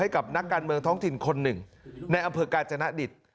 การเมืองท้องถิ่นคนหนึ่งในอำเภอกาจนาดิษฐ์